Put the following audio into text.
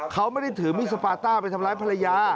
เขาไม่ได้ถือมีดสปาต้าไปทำร้ายภรรยา